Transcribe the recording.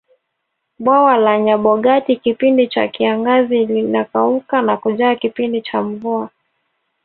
bwawa la nyabogati kipindi cha kiangazi linakauka na kujaa kipindi cha mvua